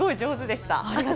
すごい上手でした。